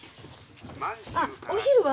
あお昼は？